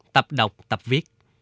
tập đọc tập viết